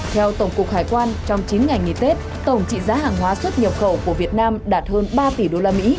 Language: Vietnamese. theo tổng cục hải quan trong chín ngày nghỉ tết tổng trị giá hàng hóa xuất nhập khẩu của việt nam đạt hơn ba tỷ usd